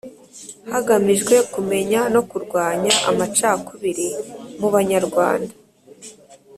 Hagamijwe kumenya no kurwanya amacakubiri mu Banyarwanda